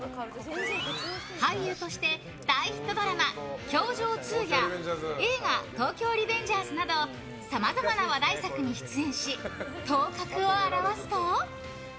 俳優として大ヒットドラマ「教場２」や映画「東京リベンジャーズ」などさまざまな話題作に出演し頭角を現すと。